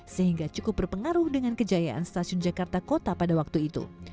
sehingga cukup berpengaruh dengan kejayaan stasiun jakarta kota pada waktu itu